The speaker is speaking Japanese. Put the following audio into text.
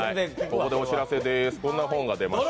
ここでお知らせでーす。